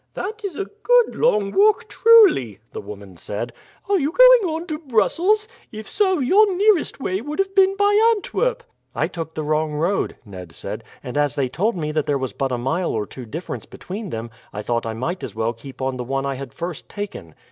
"That is a good long walk truly;" the woman said. "Are you going on to Brussels? If so, your nearest way would have been by Antwerp." "I took the wrong road," Ned said; "and as they told me that there was but a mile or two difference between them, I thought I might as well keep on the one I had first taken."